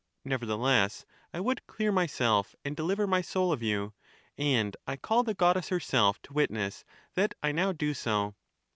Nevertheless I would clear myself and deliver my soul of you ; and I call the goddess herself to witness that I now do so.